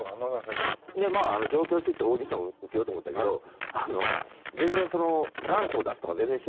で上京してきてオーディション受けようと思ったけど全然。